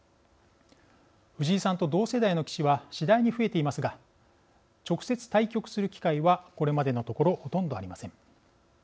藤井さんと同世代の棋士は次第に増えていますが直接対局する機会はこれまでのところほとんどありません。